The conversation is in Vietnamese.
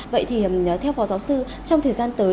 vậy thì theo phó giáo sư trong thời gian tới